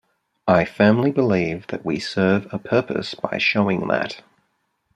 I firmly believe that we serve a purpose by showing that.